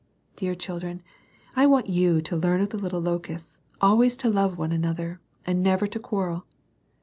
Dear children, I want you to learn of the little locusts always to love one another, and never to quarrel.